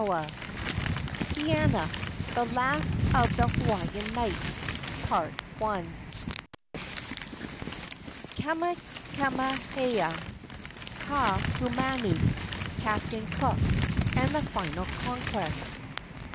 KAIANA, THE LAST OF THE HAWAIIAN KNIGHTS. KAMEHAMEHA, KAAHUMANU, CAPTAIN COOK, AND THE FINAL CONQUEST.